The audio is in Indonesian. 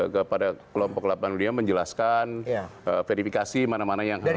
kepada kelompok delapan dunia menjelaskan verifikasi mana mana yang harus